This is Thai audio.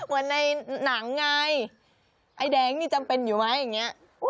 เหมือนในหนังไงไอ้แดงนี่จำเป็นอยู่ไหมอย่างนี้